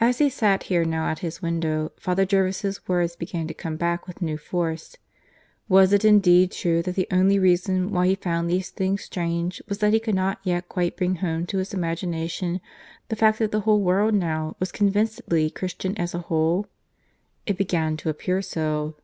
As he sat here now at his window, Father Jervis' words began to come back with new force. Was it indeed true that the only reason why he found these things strange was that he could not yet quite bring home to his imagination the fact that the world now was convincedly Christian as a whole? It began to appear so.